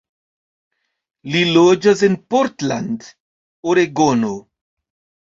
Li loĝas en Portland, Oregono.